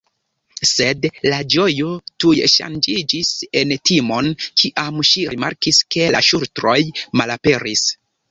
Sed la ĝojo tuj ŝanĝiĝis en timon, kiam ŝi rimarkis ke la ŝultroj malaperis.